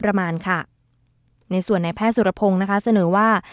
ระมาณในส่วนในแพทย์สุระพงศ์เสนอว่า